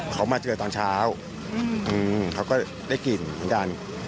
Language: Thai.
เขามาเจอตอนเช้าเขาก็ได้กลิ่นเหมือนกัน